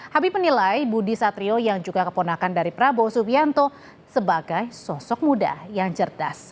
habib menilai budi satrio yang juga keponakan dari prabowo subianto sebagai sosok muda yang cerdas